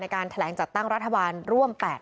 การแถลงจัดตั้งรัฐบาลร่วม๘๐